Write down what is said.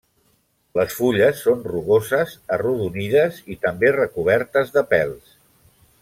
Les fulles són rugoses, arrodonides i també recobertes de pèls.